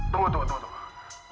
tunggu tunggu tunggu